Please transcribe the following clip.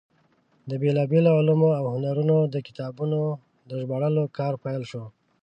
د بېلابېلو علومو او هنرونو د کتابونو د ژباړلو کار پیل شو.